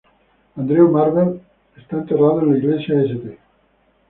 Andrew Marvell es enterrado en la "iglesia St.